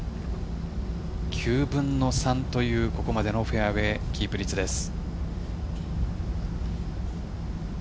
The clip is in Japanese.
９分の３というここまでのフェアウェイキープ率です。